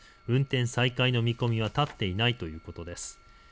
運転再開の見込みは立っていないということです。